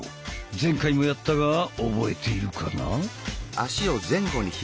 前回もやったが覚えているかな？